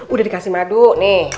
udah dikasih madu nih